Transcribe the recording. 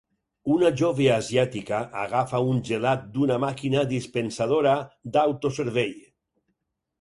Una jove asiàtica agafa un gelat d'una màquina dispensadora d'autoservei.